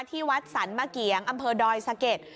ที่วัดสรรมะเกียงอำเภอดอยสะเก็ด